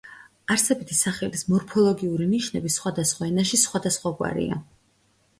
არსებითი სახელის მორფოლოგიური ნიშნები სხვადასხვა ენაში სხვადასხვაგვარია.